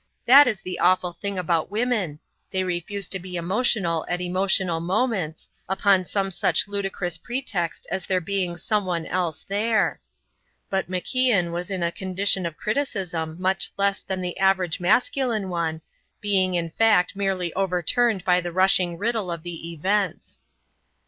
That is the awful thing about women they refuse to be emotional at emotional moments, upon some such ludicrous pretext as there being someone else there. But MacIan was in a condition of criticism much less than the average masculine one, being in fact merely overturned by the rushing riddle of the events.